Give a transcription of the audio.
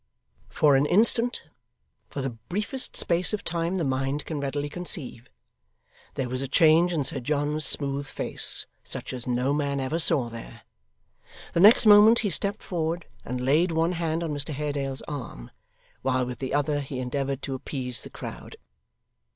For an instant, for the briefest space of time the mind can readily conceive, there was a change in Sir John's smooth face, such as no man ever saw there. The next moment, he stepped forward, and laid one hand on Mr Haredale's arm, while with the other he endeavoured to appease the crowd.